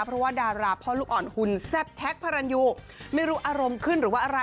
เพราะว่าดาราพ่อลูกอ่อนหุ่นแซ่บแท็กพระรันยูไม่รู้อารมณ์ขึ้นหรือว่าอะไร